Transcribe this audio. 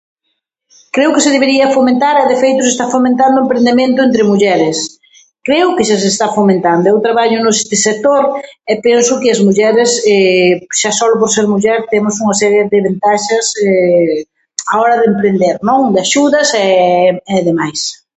Creo que se debería fomentar e de feito se está fomentado o emprendemento entre mulleres. Creo que xa se está fomentando, eu traballo neste sector e penso que as mulleres xa solo por ser muller temos unha serie de ventaxas a hora de emprender, non?, de axudas e demais.